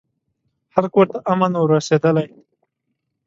هر کورته امن ور رسېدلی